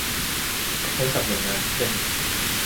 ให้กับหน่วยงานเช่น